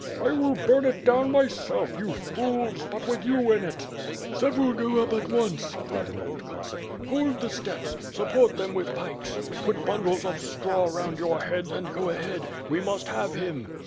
"I will burn it down myself, you fools. ... But, with you in it." "Several go up at once," cried an old Cossack. "Hold the steps. Support them with pikes. Put bimdles of straw round your heads, and go ahead. We must have him."